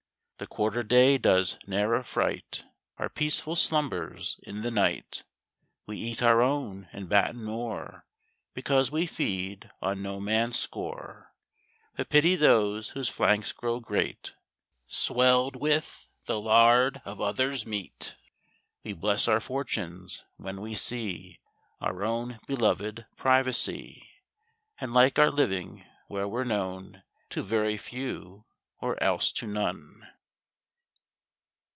The quarter day does ne'er affright Our peaceful slumbers in the night: We eat our own, and batten more, Because we feed on no man's score; But pity those whose flanks grow great, Swell'd with the lard of other's meat. We bless our fortunes, when we see Our own beloved privacy; And like our living, where we're known To very few, or else to none.